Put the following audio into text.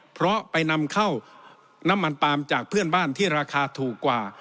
เพราะไปนำเข้าน้ำมันปาล์มจากเพื่อนบ้านที่ราคาถูกกว่า